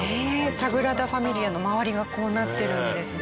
サグラダ・ファミリアの周りがこうなってるんですね。